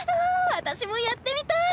私もやってみたい！